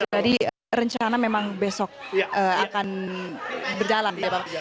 jadi rencana memang besok akan berjalan ya pak